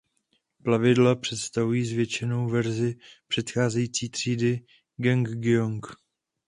Plavidla představují zvětšenou verzi předcházející třídy "Ganggyeong".